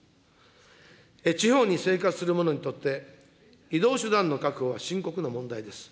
地方に生活する者にとって、移動手段の確保は深刻な問題です。